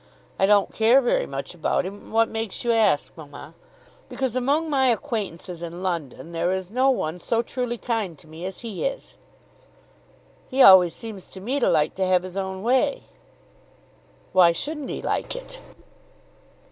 I don't care very much about him. What makes you ask, mamma?" "Because among my acquaintances in London there is no one so truly kind to me as he is." "He always seems to me to like to have his own way." "Why shouldn't he like it?"